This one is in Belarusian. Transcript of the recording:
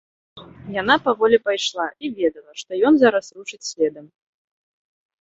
Яна паволі пайшла і ведала, што ён зараз рушыць следам.